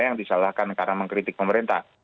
yang disalahkan karena mengkritik pemerintah